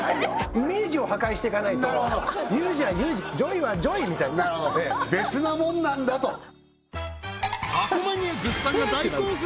イメージを破壊してかないとユージはユージＪＯＹはＪＯＹみたいななるほど別なもんなんだと箱マニアぐっさんが大興奮！